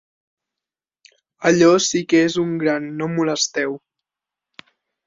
Allò sí que és un gran no molesteu.